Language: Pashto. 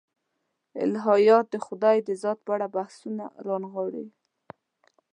الهیات د خدای د ذات په اړه مبحثونه رانغاړي.